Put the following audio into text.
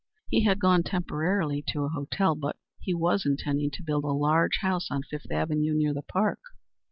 He had gone temporarily to a hotel, but he was intending to build a large house on Fifth Avenue near the park.